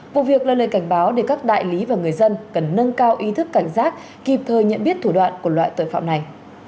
vụ việc là lời cảnh báo để các đại lý và người dân cần nâng cao ý thức cảnh giác kịp thời nhận biết thủ đoạn của loại tội phạm này